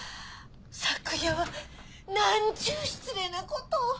昨夜はなんちゅう失礼なことを！